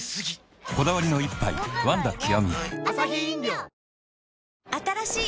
こだわりの一杯「ワンダ極」